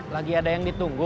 lagi ada yang ditunggu